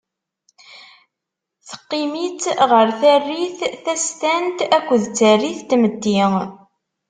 Teqqim-itt ɣer tarit tastant akked tarit n tmetti.